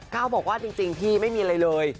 บอกว่าจริงพี่ไม่มีอะไรเลย